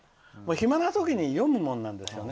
暇な時に読むものなんですよね。